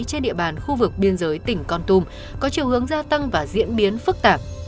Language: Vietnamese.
trên địa bàn khu vực biên giới tỉnh con tum có chiều hướng gia tăng và diễn biến phức tạp